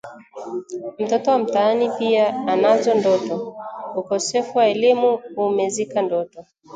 Mtoto wa mtaani pia anazo ndoto, ukosefu wa elimu umezika ndoto